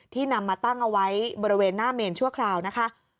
นำมาตั้งเอาไว้บริเวณหน้าเมนชั่วคราวนะคะ